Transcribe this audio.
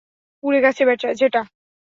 পুড়ে গেছে যেটা?